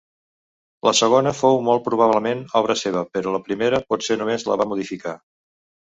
La segona fou molt probablement obra seva, però la primera potser només la va modificar.